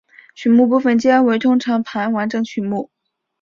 曲目部分皆为通常盘完整曲目。